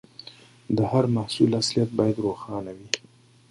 د هر محصول اصليت باید روښانه وي.